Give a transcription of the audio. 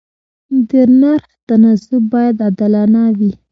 د نرخ تناسب باید عادلانه وي.